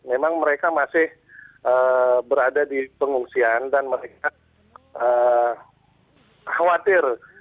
memang mereka masih berada di pengungsian dan mereka khawatir